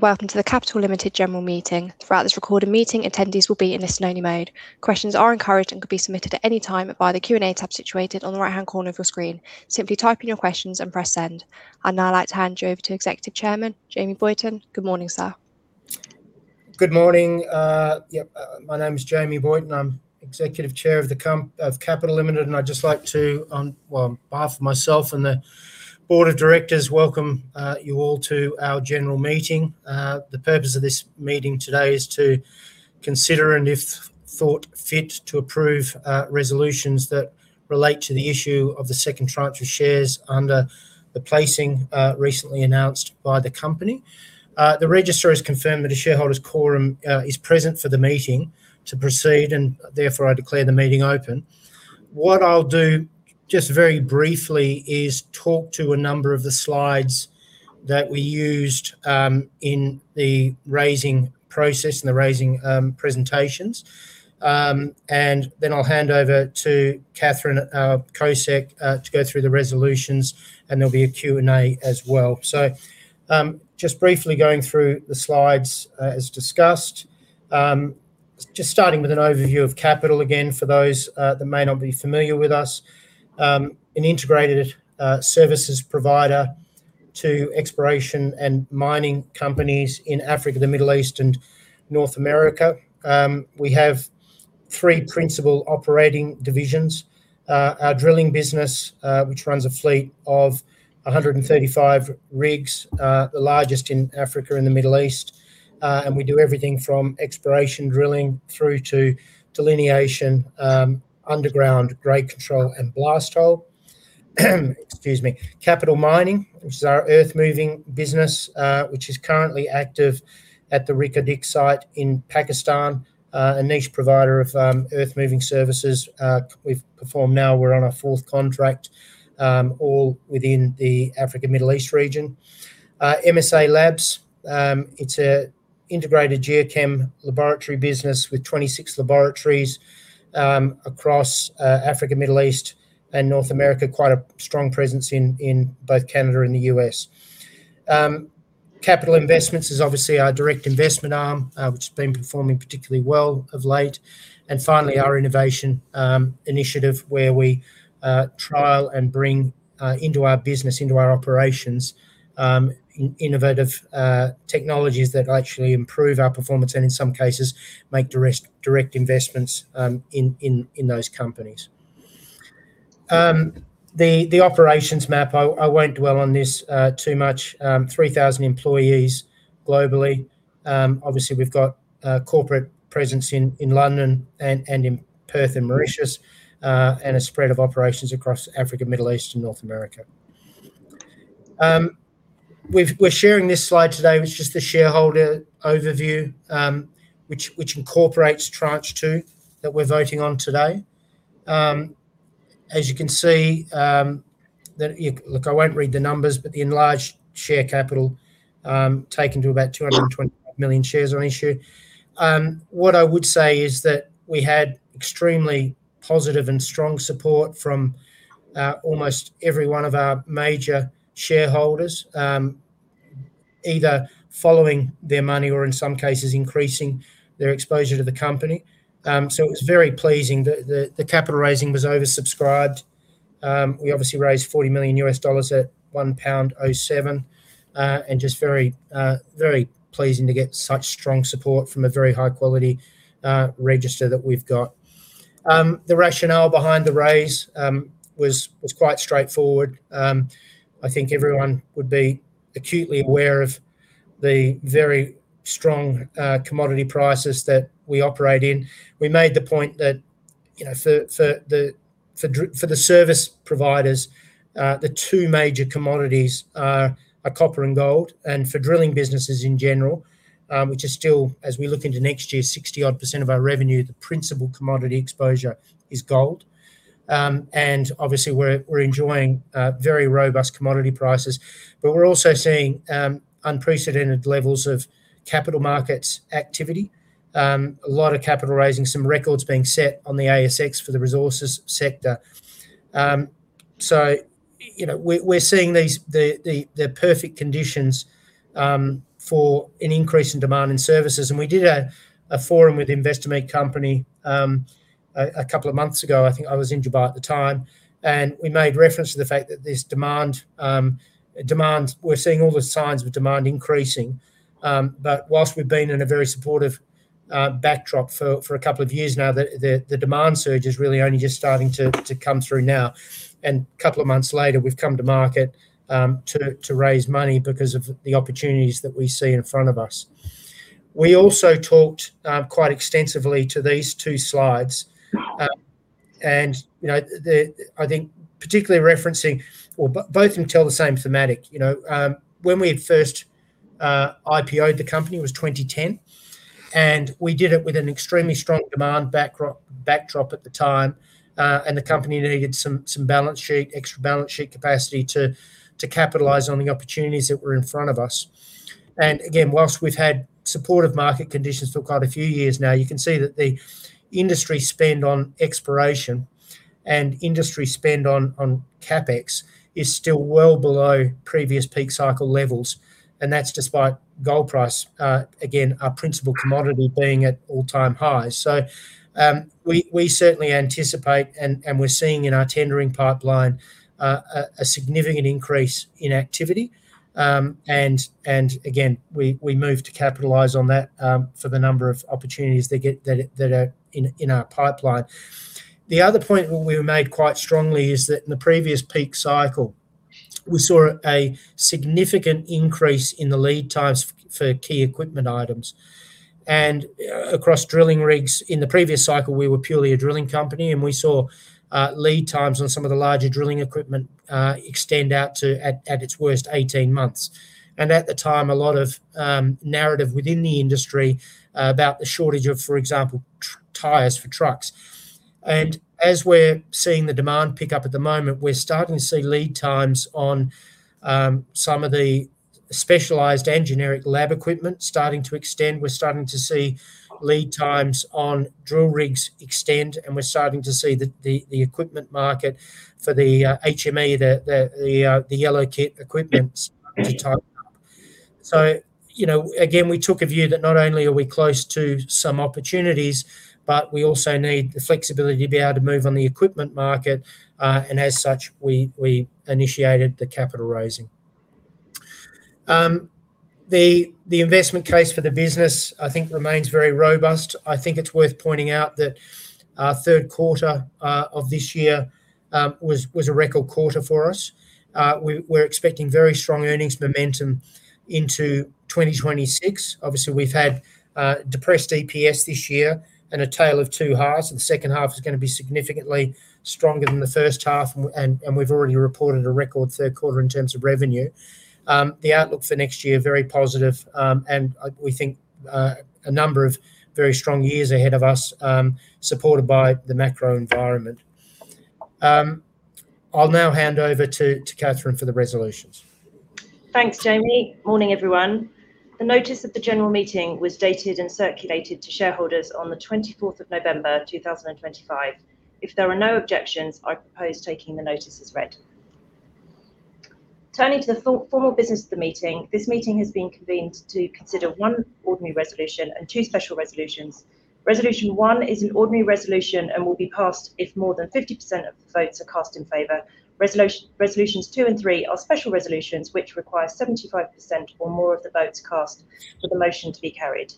Welcome to the Capital Limited general meeting. Throughout this recorded meeting, attendees will be in listen-only mode. Questions are encouraged and could be submitted at any time via the Q&A tab situated on the right-hand corner of your screen. Simply type in your questions and press send. I'd now like to hand you over to Executive Chairman Jamie Boyton. Good morning, sir. Good morning. Yep, my name is Jamie Boyton. I'm Executive Chair of Capital Limited, and I'd just like to, on behalf of myself and the Board of Directors, welcome you all to our general meeting. The purpose of this meeting today is to consider, and if thought fit, to approve resolutions that relate to the issue of the second tranche of shares under the placing recently announced by the company. The registrar has confirmed that a shareholder's quorum is present for the meeting to proceed, and therefore I declare the meeting open. What I'll do, just very briefly, is talk to a number of the slides that we used in the raising process and the raising presentations, and then I'll hand over to Catherine Kosec to go through the resolutions, and there'll be a Q&A as well. So just briefly going through the slides as discussed, just starting with an overview of Capital again for those that may not be familiar with us, an integrated services provider to exploration and mining companies in Africa, the Middle East, and North America. We have three principal operating divisions. Our drilling business, which runs a fleet of 135 rigs, the largest in Africa and the Middle East, and we do everything from exploration drilling through to delineation, underground grade control, and blast hole. Excuse me. Capital Mining, which is our earth-moving business, which is currently active at the Reko Diq site in Pakistan, a niche provider of earth-moving services we've performed now. We're on our fourth contract, all within the Africa-Middle East region. MSALABS, it's an integrated geochem laboratory business with 26 laboratories across Africa, Middle East, and North America, quite a strong presence in both Canada and the U.S. Capital Investments is obviously our direct investment arm, which has been performing particularly well of late. And finally, our Innovation Initiative, where we trial and bring into our business, into our operations, innovative technologies that actually improve our performance and, in some cases, make direct investments in those companies. The operations map, I won't dwell on this too much. 3,000 employees globally. Obviously, we've got a corporate presence in London and in Perth & Mauritius and a spread of operations across Africa, Middle East, and North America. We're sharing this slide today. It's just the shareholder overview, which incorporates Tranche 2 that we're voting on today. As you can see, look, I won't read the numbers, but the enlarged share capital taken to about 225 million shares on issue. What I would say is that we had extremely positive and strong support from almost every one of our major shareholders, either following their money or, in some cases, increasing their exposure to the company. So it was very pleasing that the capital raising was oversubscribed. We obviously raised $40 million at 1.07 pound, and just very pleasing to get such strong support from a very high-quality register that we've got. The rationale behind the raise was quite straightforward. I think everyone would be acutely aware of the very strong commodity prices that we operate in. We made the point that for the service providers, the two major commodities are copper and gold, and for drilling businesses in general, which is still, as we look into next year, 60-odd% of our revenue, the principal commodity exposure is gold. And obviously, we're enjoying very robust commodity prices, but we're also seeing unprecedented levels of capital markets activity, a lot of capital raising, some records being set on the ASX for the resources sector. So we're seeing the perfect conditions for an increase in demand in services. And we did a forum with Investor Meet Company a couple of months ago. I think I was in Dubai at the time, and we made reference to the fact that we're seeing all the signs of demand increasing. But while we've been in a very supportive backdrop for a couple of years now, the demand surge is really only just starting to come through now. And a couple of months later, we've come to market to raise money because of the opportunities that we see in front of us. We also talked quite extensively to these 2 slides, and I think particularly referencing both of them tell the same thematic. When we first IPO'd the company, it was 2010, and we did it with an extremely strong demand backdrop at the time, and the company needed some balance sheet, extra balance sheet capacity to capitalize on the opportunities that were in front of us. Again, while we've had supportive market conditions for quite a few years now, you can see that the industry spend on exploration and industry spend on CapEx is still well below previous peak cycle levels, and that's despite gold price, again, our principal commodity being at all-time highs. So we certainly anticipate, and we're seeing in our tendering pipeline, a significant increase in activity. And again, we move to capitalize on that for the number of opportunities that are in our pipeline. The other point we made quite strongly is that in the previous peak cycle, we saw a significant increase in the lead times for key equipment items. And across drilling rigs, in the previous cycle, we were purely a drilling company, and we saw lead times on some of the larger drilling equipment extend out to, at its worst, 18 months. At the time, a lot of narrative within the industry about the shortage of, for example, tires for trucks. As we're seeing the demand pick up at the moment, we're starting to see lead times on some of the specialized engineering lab equipment starting to extend. We're starting to see lead times on drill rigs extend, and we're starting to see the equipment market for the HME, the yellow kit equipment, start to tighten up. Again, we took a view that not only are we close to some opportunities, but we also need the flexibility to be able to move on the equipment market, and as such, we initiated the capital raising. The investment case for the business, I think, remains very robust. I think it's worth pointing out that our third quarter of this year was a record quarter for us. We're expecting very strong earnings momentum into 2026. Obviously, we've had depressed EPS this year and a tale of two halves, and the second half is going to be significantly stronger than the first half, and we've already reported a record third quarter in terms of revenue. The outlook for next year is very positive, and we think a number of very strong years ahead of us, supported by the macro environment. I'll now hand over to Katherine for the resolutions. Thanks, Jamie. Morning, everyone. The notice of the general meeting was dated and circulated to shareholders on the 24th of November, 2025. If there are no objections, I propose taking the notice as read. Turning to the formal business of the meeting, this meeting has been convened to consider one ordinary resolution and two special resolutions. Resolution 1 is an ordinary resolution and will be passed if more than 50% of the votes are cast in favor. Resolutions 2 and 3 are special resolutions, which require 75% or more of the votes cast for the motion to be carried.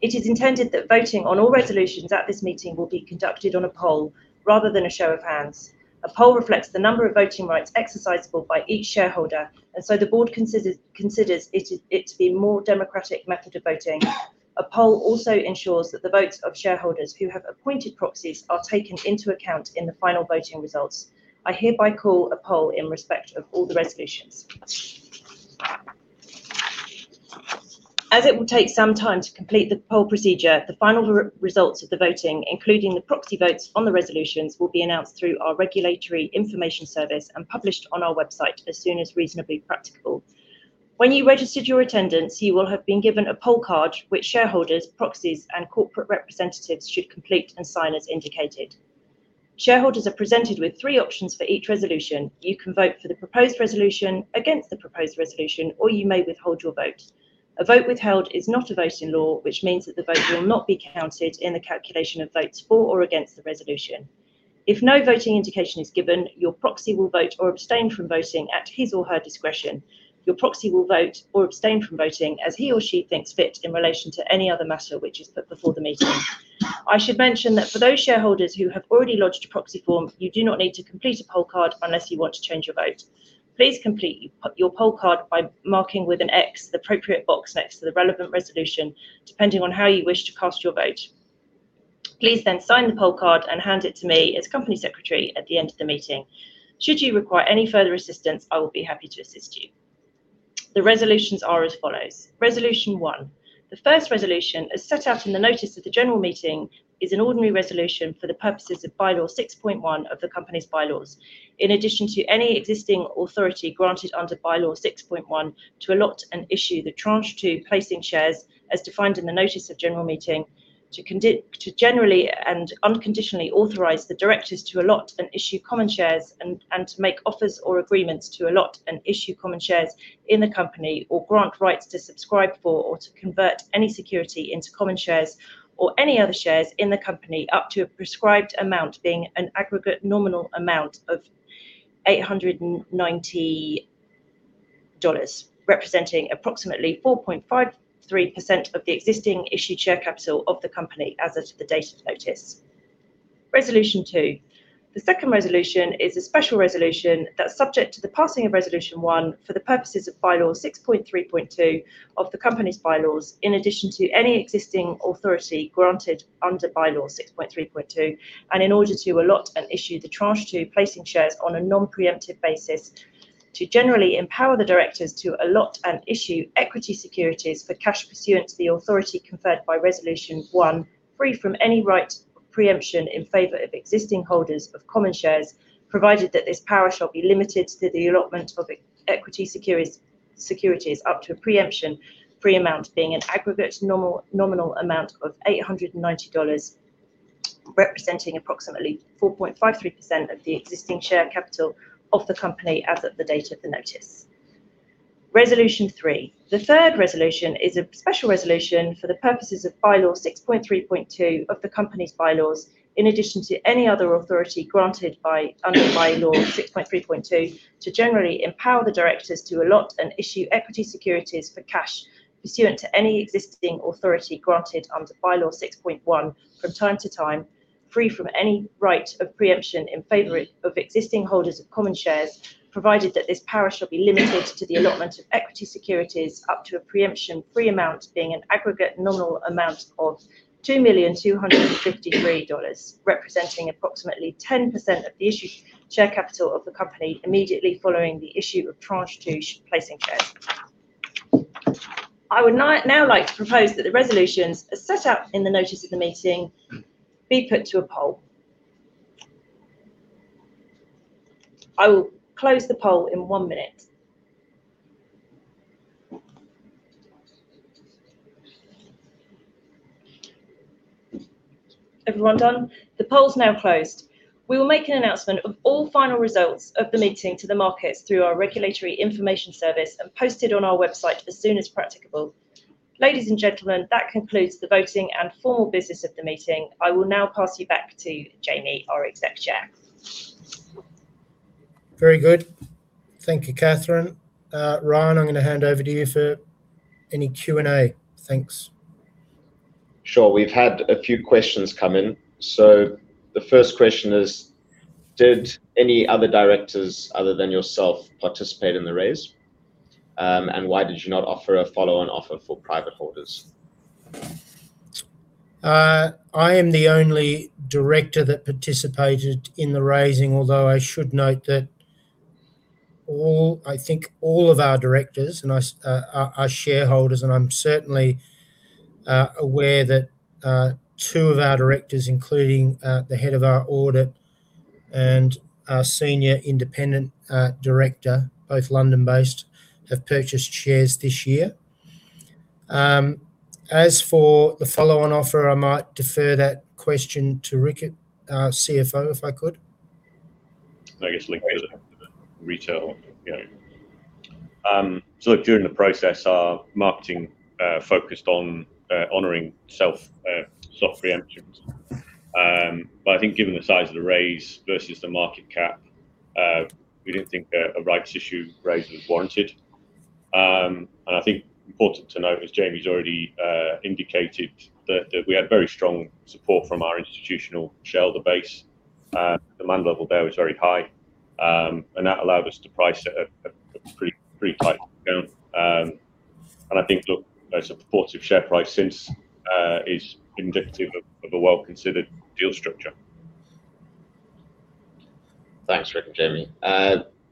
It is intended that voting on all resolutions at this meeting will be conducted on a poll rather than a show of hands. A poll reflects the number of voting rights exercisable by each shareholder, and so the board considers it to be a more democratic method of voting. A poll also ensures that the votes of shareholders who have appointed proxies are taken into account in the final voting results. I hereby call a poll in respect of all the resolutions. As it will take some time to complete the poll procedure, the final results of the voting, including the proxy votes on the resolutions, will be announced through our regulatory information service and published on our website as soon as reasonably practicable. When you registered your attendance, you will have been given a poll card, which shareholders, proxies, and corporate representatives should complete and sign as indicated. Shareholders are presented with three options for each resolution. You can vote for the proposed resolution, against the proposed resolution, or you may withhold your vote. A vote withheld is not a vote in law, which means that the vote will not be counted in the calculation of votes for or against the resolution. If no voting indication is given, your proxy will vote or abstain from voting at his or her discretion. Your proxy will vote or abstain from voting as he or she thinks fit in relation to any other matter which is put before the meeting. I should mention that for those shareholders who have already lodged a proxy form, you do not need to complete a poll card unless you want to change your vote. Please complete your poll card by marking with an X the appropriate box next to the relevant resolution, depending on how you wish to cast your vote. Please then sign the poll card and hand it to me as Company Secretary at the end of the meeting. Should you require any further assistance, I will be happy to assist you. The resolutions are as follows. Resolution 1. The first resolution as set out in the notice of the general meeting is an ordinary resolution for the purposes of Bye-law 6.1 of the company's Bye-laws, in addition to any existing authority granted under Bye-law 6.1 to allot and issue the Tranche 2 placing shares as defined in the notice of general meeting to generally and unconditionally authorize the directors to allot and issue common shares and to make offers or agreements to allot and issue common shares in the company or grant rights to subscribe for or to convert any security into common shares or any other shares in the company up to a prescribed amount being an aggregate nominal amount of $890, representing approximately 4.53% of the existing issued share capital of the company as of the date of notice. Resolution two. The second resolution is a special resolution that's subject to the passing of resolution one for the purposes of Bye-law 6.3.2 of the company's Bye-laws, in addition to any existing authority granted under Bye-law 6.3.2, and in order to allot and issue the Tranche 2 placing shares on a non-preemptive basis to generally empower the directors to allot and issue equity securities for cash pursuant to the authority conferred by resolution one, free from any right of preemption in favor of existing holders of common shares, provided that this power shall be limited to the allotment of equity securities up to a preemption free amount being an aggregate nominal amount of $890, representing approximately 4.53% of the existing share capital of the company as of the date of the notice. Resolution three. The third resolution is a special resolution for the purposes of Bye-law 6.3.2 of the company's Bye-laws, in addition to any other authority granted under Bye-law 6.1 from time to time, to generally empower the directors to allot and issue equity securities for cash pursuant to any existing authority granted under Bye-law 6.1 from time to time, free from any right of preemption in favor of existing holders of common shares, provided that this power shall be limited to the allotment of equity securities up to a preemption free amount being an aggregate nominal amount of $2,253, representing approximately 10% of the issued share capital of the company immediately following the issue of Tranche two placing shares. I would now like to propose that the resolutions as set out in the notice of the meeting be put to a poll. I will close the poll in one minute. Everyone done. The poll's now closed. We will make an announcement of all final results of the meeting to the markets through our Regulatory Information Service and posted on our website as soon as practicable. Ladies and gentlemen, that concludes the voting and formal business of the meeting. I will now pass you back to Jamie, our Executive Chair. Very good. Thank you, Katherine. Ryan, I'm going to hand over to you for any Q&A. Thanks. Sure. We've had a few questions come in. So the first question is, did any other directors other than yourself participate in the raise? And why did you not offer a follow-on offer for private holders? I am the only director that participated in the raising, although I should note that I think all of our directors and our shareholders, and I'm certainly aware that two of our directors, including the head of our audit and our senior independent director, both London-based, have purchased shares this year. As for the follow-on offer, I might defer that question to Rick, our CFO, if I could. I guess linked to the retail. Yeah. So look, during the process, our marketing focused on honoring soft pre-emption. But I think, given the size of the raise versus the market cap, we didn't think a rights issue raise was warranted, and I think important to note, as Jamie's already indicated, that we had very strong support from our institutional shareholder base. Demand level there was very high, and that allowed us to price at a pretty tight discount, and I think, look, a supportive share price since is indicative of a well-considered deal structure. Thanks, Rick and Jamie.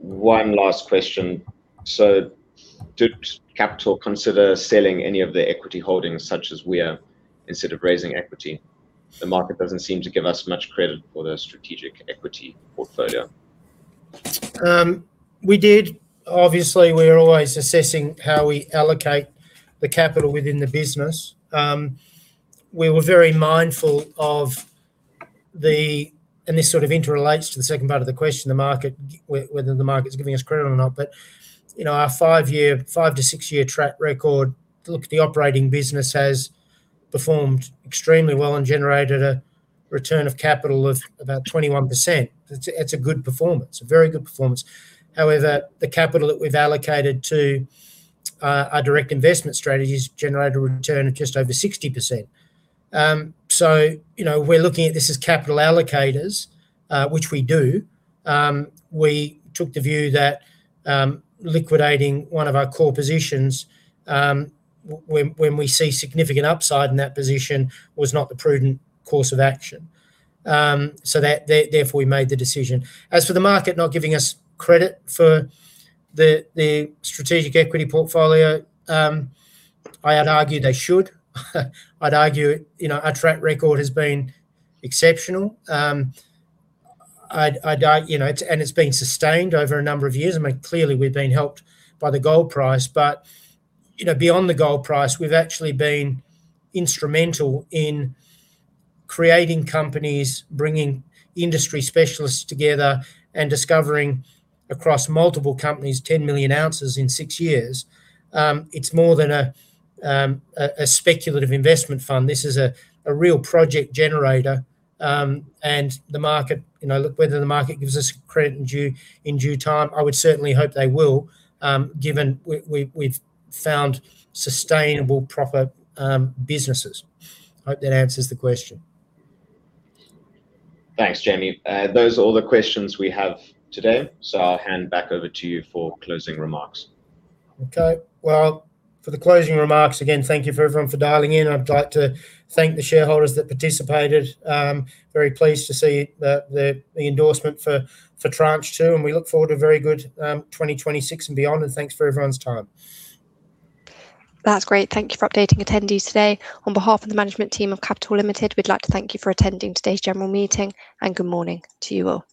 One last question. So did Capital consider selling any of the equity holdings such as WIA Gold instead of raising equity? The market doesn't seem to give us much credit for the strategic equity portfolio. We did. Obviously, we are always assessing how we allocate the capital within the business. We were very mindful of the, and this sort of interrelates to the second part of the question, market, whether the market's giving us credit or not. But our 5-6 year track record, look, the operating business has performed extremely well and generated a return of capital of about 21%. It's a good performance, a very good performance. However, the capital that we've allocated to our direct investment strategies generated a return of just over 60%. So we're looking at this as capital allocators, which we do. We took the view that liquidating one of our core positions when we see significant upside in that position was not the prudent course of action. So therefore, we made the decision. As for the market not giving us credit for the strategic equity portfolio, I'd argue they should. I'd argue our track record has been exceptional. And it's been sustained over a number of years. I mean, clearly, we've been helped by the gold price. But beyond the gold price, we've actually been instrumental in creating companies, bringing industry specialists together, and discovering across multiple companies 10 million ounces in six years. It's more than a speculative investment fund. This is a real project generator. And look, whether the market gives us credit in due time, I would certainly hope they will, given we've found sustainable, proper businesses. I hope that answers the question. Thanks, Jamie. Those are all the questions we have today. So I'll hand back over to you for closing remarks. Okay. Well, for the closing remarks, again, thank you for everyone for dialing in. I'd like to thank the shareholders that participated. Very pleased to see the endorsement for Tranche 2. And we look forward to a very good 2026 and beyond. And thanks for everyone's time. That's great. Thank you for updating attendees today. On behalf of the management team of Capital Limited, we'd like to thank you for attending today's general meeting and good morning to you all.